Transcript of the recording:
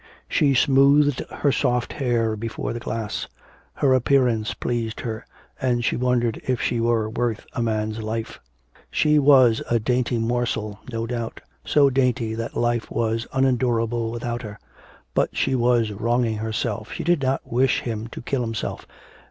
She smoothed her soft hair before the glass. Her appearance pleased her, and she wondered if she were worth a man's life. She was a dainty morsel, no doubt, so dainty that life was unendurable without her. But she was wronging herself, she did not wish him to kill himself....